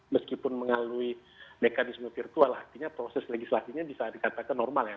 meskipun melalui mekanisme virtual artinya proses legislasinya bisa dikatakan normal ya